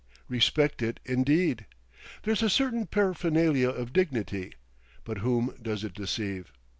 Respect it indeed! There's a certain paraphernalia of dignity, but whom does it deceive?